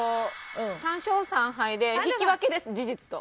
３勝３敗で引き分けです事実と。